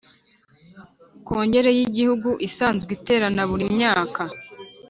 Kongere y Igihuigu isazwe iterana buri myaka